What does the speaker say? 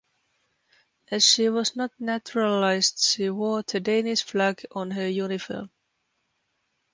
As she was not naturalised she wore the Danish flag on her uniform.